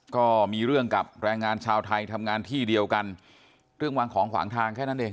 ก็มีเรื่องกับแรงงานชาวไทยทำงานที่เดียวกันเรื่องวางของขวางทางแค่นั้นเอง